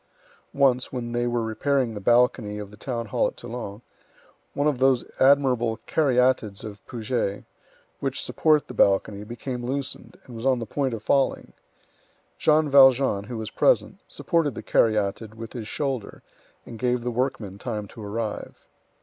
Once, when they were repairing the balcony of the town hall at Toulon, one of those admirable caryatids of Puget, which support the balcony, became loosened, and was on the point of falling. Jean Valjean, who was present, supported the caryatid with his shoulder, and gave the workmen time to arrive.